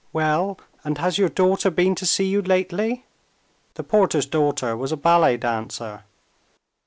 "Well, and has your daughter been to see you lately?" The porter's daughter was a ballet dancer.